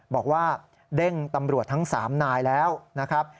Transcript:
บอกว่าเด้งตำรวจทั้ง๓นายแล้วนะครับ